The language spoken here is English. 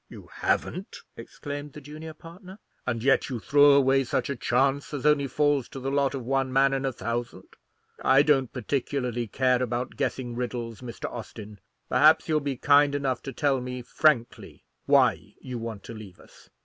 "You haven't!" exclaimed the junior partner; "and yet you throw away such a chance as only falls to the lot of one man in a thousand! I don't particularly care about guessing riddles, Mr. Austin; perhaps you'll be kind enough to tell me frankly why you want to leave us?"